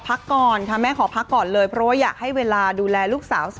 พักก่อนค่ะแม่ขอพักก่อนเลยเพราะว่าอยากให้เวลาดูแลลูกสาว